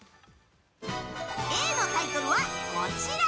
Ａのタイトルは、こちら！